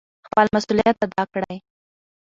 خپل مسؤلیت ادا کړئ.